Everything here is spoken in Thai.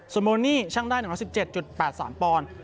ส่วนโมโนี่ชั่งได้๑๑๗๘๓ปอง